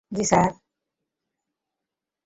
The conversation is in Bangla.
জী, স্যার।